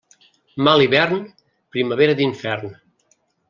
Mal hivern, primavera d'infern.